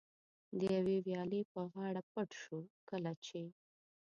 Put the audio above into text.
د یوې ویالې په غاړه کې پټ شو، کله چې.